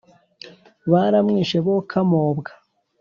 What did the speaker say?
baramwishe bo kamobwa.